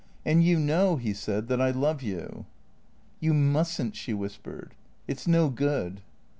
And you know," he said, " that I love you." " You must n't," she whispered. " It 's no good."